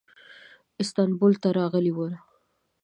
استانبول ته راغلی و.